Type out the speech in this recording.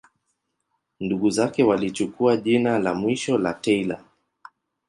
Ndugu zake walichukua jina la mwisho la Taylor.